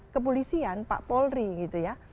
kepolisian pak polri gitu ya